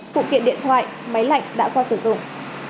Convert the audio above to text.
phụ kiện điện thoại máy lạnh đã qua sử dụng